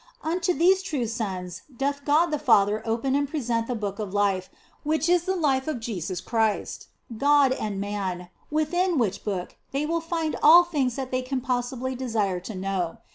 Unto these true sons doth God the Father open and present the Book of Life, which is the life of Jesus Christ, God and Man, within which Book they will find all things that they can possibly desire to know.